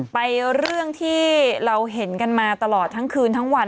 ไปเรื่องที่เราเห็นกันมาตลอดทั้งคืนทั้งวัน